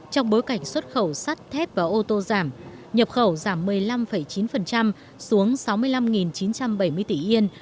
trong bối cảnh xuất khẩu sắt thép và ô tô giảm nhập khẩu giảm một mươi năm chín xuống sáu mươi năm chín trăm bảy mươi tỷ yên